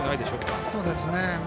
そうですね。